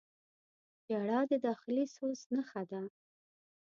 • ژړا د داخلي سوز نښه ده.